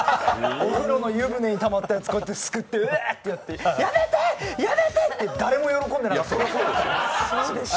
お風呂の湯船にたまってたやつ、すくってこうやって、やめてー、やめてーって誰も喜んでなかった。